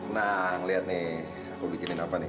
nah lihat nih bikin apa nih